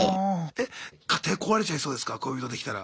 え家庭壊れちゃいそうですか恋人できたら。